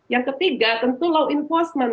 yang ketiga tentu law enforcement